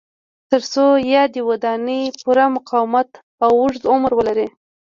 ترڅو یادې ودانۍ پوره مقاومت او اوږد عمر ولري.